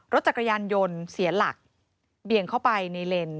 รถจักรยานยนต์เสียหลักเบี่ยงเข้าไปในเลน